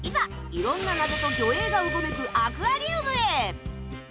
いろんな謎と魚影がうごめくアクアリウムへ！